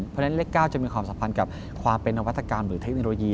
เพราะฉะนั้นเลข๙จะมีความสัมพันธ์กับความเป็นนวัตกรรมหรือเทคโนโลยี